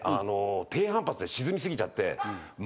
低反発で沈みすぎちゃって。